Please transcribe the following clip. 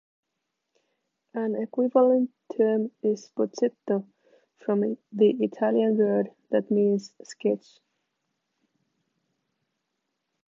An equivalent term is bozzetto, from the Italian word that means "sketch".